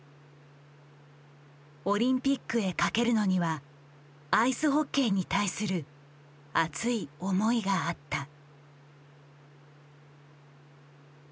オリンピックへかけるのにはアイスホッケーに対する熱い思いがあった。